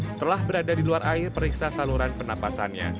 setelah berada di luar air periksa saluran penapasannya